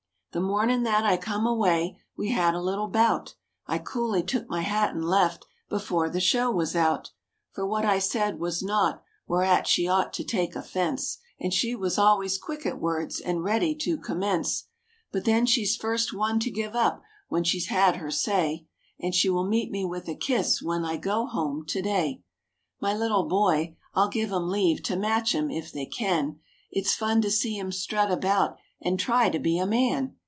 The mornin' that I come away, we had a little bout; I coolly took my hat and left, before the show was out. For what I said was naught whereat she ought to take offense; And she was always quick at words and ready to commence. But then she's first one to give up when she has had her say; And she will meet me with a kiss, when I go home to day. My little boy I'll give 'em leave to match him, if they can; It's fun to see him strut about, and try to be a man!